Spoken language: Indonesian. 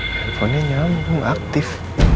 teleponnya nyamuk aktif